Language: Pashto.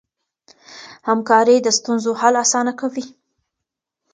همکاري د ستونزو حل اسانه کوي.